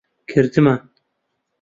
کردمان.